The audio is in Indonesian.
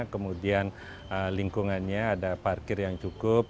kemudian lingkungannya ada parkir yang cukup